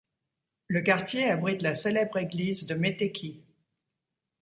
Le quartier abrite la célèbre église de Metekhi.